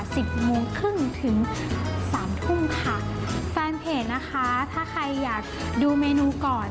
สิบโมงครึ่งถึงสามทุ่มค่ะแฟนเพจนะคะถ้าใครอยากดูเมนูก่อน